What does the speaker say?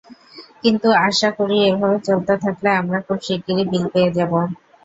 কিন্তু আশা করি, এভাবে চলতে থাকলে আমরা খুব শিগগিরই বিল পেয়ে যাব।